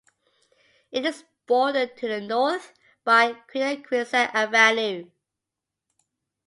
It is bordered to the north by Quinaquisset Avenue.